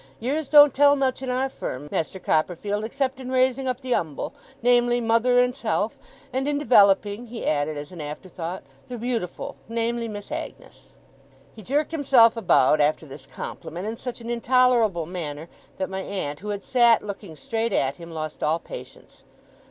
Years don't tell much in our firm, Master Copperfield, except in raising up the umble, namely, mother and self and in developing,' he added, as an afterthought, 'the beautiful, namely, Miss Agnes.' He jerked himself about, after this compliment, in such an intolerable manner, that my aunt, who had sat looking straight at him, lost all patience.